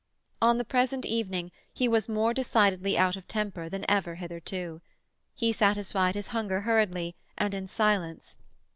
On the present evening he was more decidedly out of temper than ever hitherto. He satisfied his hunger hurriedly and in silence.